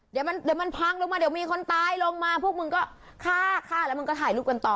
เดี๋ยวมันพังลงมาเดี๋ยวมีคนตายลงมาพวกมึงก็ฆ่าฆ่าแล้วมึงก็ถ่ายรูปกันต่อ